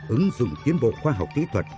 ứng dụng tiến bộ khoa học kỹ thuật